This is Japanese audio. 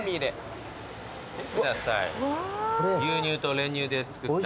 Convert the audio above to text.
牛乳と練乳で作った。